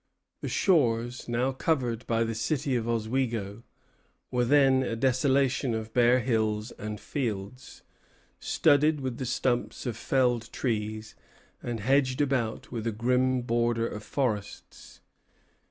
The shores, now covered by the city of Oswego, were then a desolation of bare hills and fields, studded with the stumps of felled trees, and hedged about with a grim border of forests.